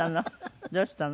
どうしたの？